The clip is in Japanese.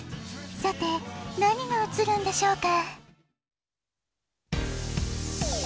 さてなにがうつるんでしょうか。